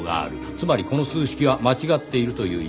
つまりこの数式は間違っているという意味かと。